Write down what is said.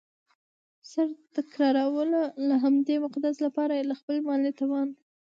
سره تكراروله؛ او د همدې مقصد له پاره یي له خپل مالي توان